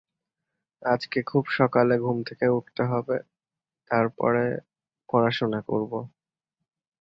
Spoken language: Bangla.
তিব্বত সম্রাট স্রোং-ব্ত্সন-স্গাম-পোর রাজত্বে বৌদ্ধ ধর্ম তিব্বতে প্রবেশ করে এবং সম্রাট খ্রি-স্রোং-ল্দে-ব্ত্সানের রাজত্বে দ্রুত প্রসার লাভ করে।